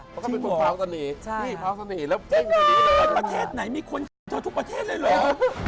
เขาก็เป็นคนพร้อมสนีพร้อมสนีจริงหรอประเทศไหนไม่ค้นโทรทุกประเทศเลยหรอ